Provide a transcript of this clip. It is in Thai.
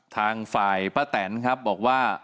ทางฝ่ายป้าแตนครับบอกว่า